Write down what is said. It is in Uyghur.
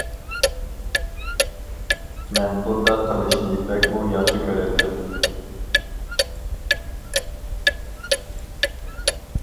مەن بۇنداق قىلىشنى بەكمۇ ياخشى كۆرەتتىم.